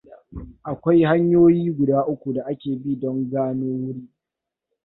Akwai hanyoyi guda uku da ake bi don gano wuri.